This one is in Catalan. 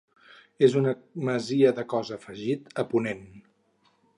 És una masia amb cos afegit a ponent.